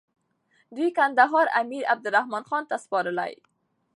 دوی کندهار امير عبدالرحمن خان ته سپاري.